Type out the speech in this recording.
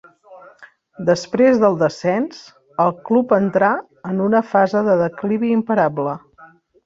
Després del descens, el Club entrà en una fase de declivi imparable.